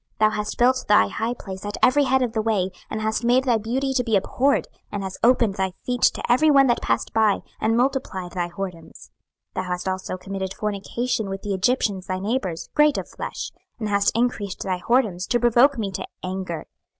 26:016:025 Thou hast built thy high place at every head of the way, and hast made thy beauty to be abhorred, and hast opened thy feet to every one that passed by, and multiplied thy whoredoms. 26:016:026 Thou hast also committed fornication with the Egyptians thy neighbours, great of flesh; and hast increased thy whoredoms, to provoke me to anger.